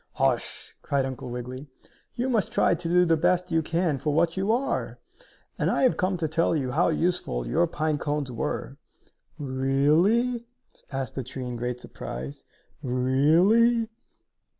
"Hush!" cried Uncle Wiggily. "You must try to do the best you can for what you are! And I have come to tell you how useful your pine cones were." "Really?" asked the tree, in great surprise. "Really?"